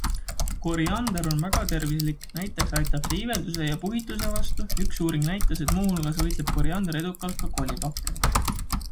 Koriander on väga tervislik, näiteks aitab see iivelduse ja puhituse vastu, üks uuring näitas, et muuhulgas võitleb koriander edukalt ka kolibakteriga.